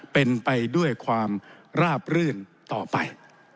เป็นไปด้วยความราบรื่นต่อไป